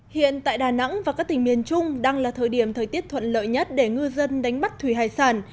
hiện tại đà nẵng và các tỉnh miền trung đang là thời điểm thời tiết thuận lợi nhất để ngư dân đánh bắt thủy hải sản